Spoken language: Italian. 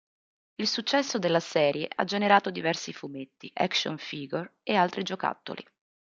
Il successo della serie ha generato diversi fumetti, action figure e altri giocattoli.